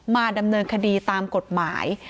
มาดำเนินคดีตามกฎหมาย